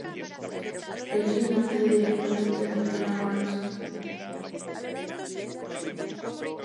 Regina pide directamente el dinero a Horace.